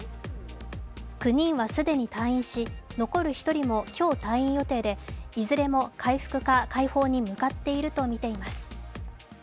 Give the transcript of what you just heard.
９人は既に退院し、残る１人も今日退院予定でいずれも回復か快方に向かっているとみています。